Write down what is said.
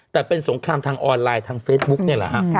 แต่เป็นสงครามทางออนไลน์ทางเฟซบุ๊กนี่แหละฮะ